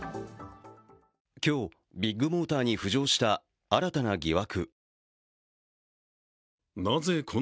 今日、ビッグモーターに浮上した新たな疑惑。